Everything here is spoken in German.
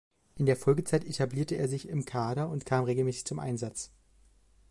In der Folgezeit etablierte er sich im Kader und kam regelmäßig zum Einsatz.